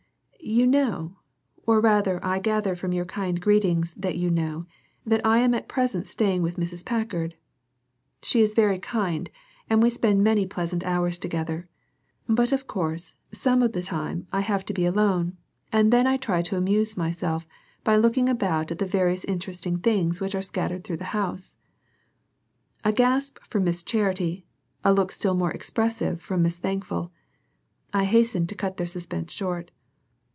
"You know, or rather I gather from your kind greetings that you know that I am at present staying with Mrs. Packard. She is very kind and we spend many pleasant hours together; but of course some of the time I have to be alone, and then I try to amuse myself by looking about at the various interesting things which are scattered through the house." A gasp from Miss Charity, a look still more expressive from Miss Thankful. I hastened to cut their suspense short.